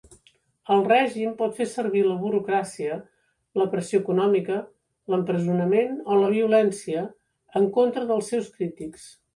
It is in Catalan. El règim pot fer servir la burocràcia, la pressió econòmica, l'empresonament o la violència en contra dels seus crítics.